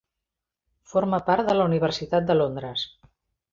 Forma part de la Universitat de Londres.